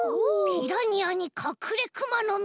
ピラニアにカクレクマノミ！